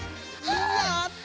やった！